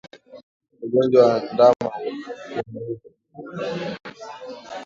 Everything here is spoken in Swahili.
Ugonjwa wa ndama kuharisha